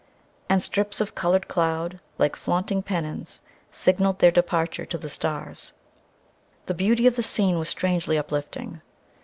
And strips of colored cloud, like flaunting pennons, signaled their departure to the stars.... The beauty of the scene was strangely uplifting.